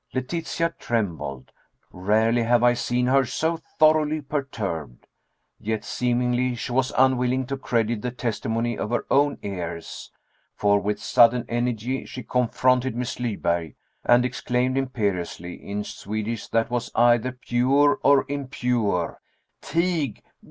Letitia trembled. Rarely have I seen her so thoroughly perturbed. Yet seemingly she was unwilling to credit the testimony of her own ears, for with sudden energy, she confronted Miss Lyberg, and exclaimed imperiously, in Swedish that was either pure or impure: "_Tig.